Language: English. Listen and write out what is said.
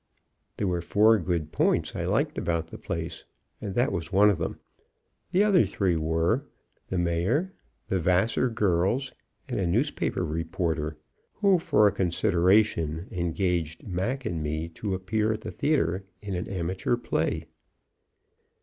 There were four good points I liked about the place, and that was one of them; the other three were, the Mayor, the Vassar girls, and a newspaper reporter who, for a consideration, engaged Mac and me to appear at the theatre in an amateur play.